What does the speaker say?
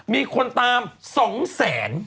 มีคนตาม๒แสน